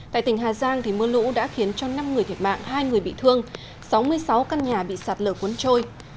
tại tỉnh hà giang mưa lũ đã khiến cho năm người thiệt mạng hai người bị thương sáu mươi sáu căn nhà bị sạt lở cuốn trôi